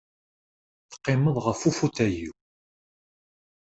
Teqqimeḍ ɣef ufutay-iw.